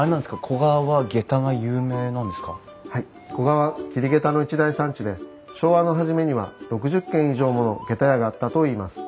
古河は桐げたの一大産地で昭和の初めには６０軒以上ものげた屋があったといいます。